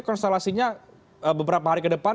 konstelasinya beberapa hari ke depan